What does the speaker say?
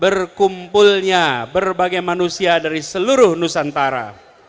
berkumpulnya berbagai manusia dari seluruh nusantara